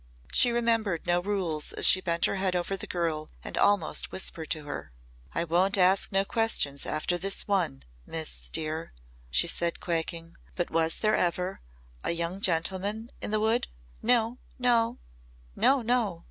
She remembered no rules as she bent her head over the girl and almost whispered to her. "I won't ask no questions after this one, Miss dear," she said quaking. "But was there ever a young gentleman in the wood?" "No! No! No! No!"